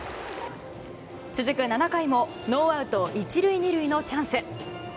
続く７回もノーアウト１塁２塁のチャンス。